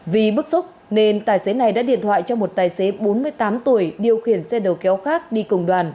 vì bức xúc nên tài xế này đã điện thoại cho một tài xế bốn mươi tám tuổi điều khiển xe đầu kéo khác đi cùng đoàn